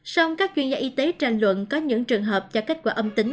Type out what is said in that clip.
song các chuyên gia y tế tranh luận có những trường hợp cho kết quả âm tính